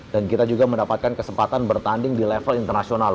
dan kita juga mendapatkan kesempatan bertanding di level internasional